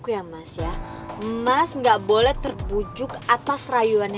ini juga nedennya pak kalo ayo